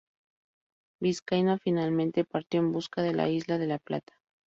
Vizcaíno finalmente partió en busca de la Isla de la Plata.